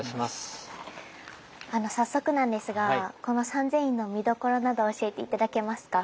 早速なんですがこの三千院の見どころなど教えて頂けますか？